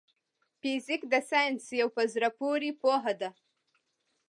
فزيک د ساينس يو په زړه پوري پوهه ده.